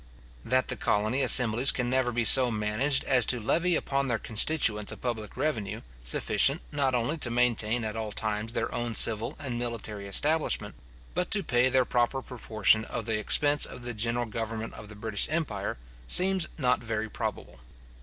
That the colony assemblies can never be so managed as to levy upon their constituents a public revenue, sufficient, not only to maintain at all times their own civil and military establishment, but to pay their proper proportion of the expense of the general government of the British empire, seems not very probable.